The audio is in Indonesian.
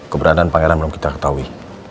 keberadaan pangeran belum kita ketahui